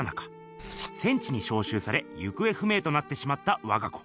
戦地にしょうしゅうされ行方不明となってしまったわが子。